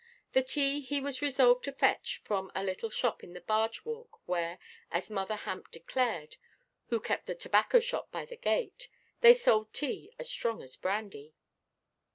The tea he was resolved to fetch from a little shop in the barge–walk, where, as Mother Hamp declared, who kept the tobacco–shop by the gate, they sold tea as strong as brandy.